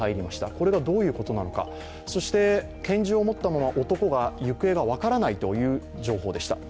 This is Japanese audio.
これがどういうことなのかそして、拳銃を持ったまま男が行方が分からないという情報でした。